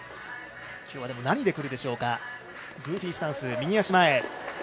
今日は何で来るでしょうかグーフィースタンス、右足前。